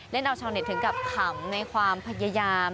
เล่นเอาชาวเน็ตถึงกับขำในความพยายาม